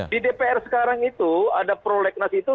di dpr sekarang itu ada prolegnas itu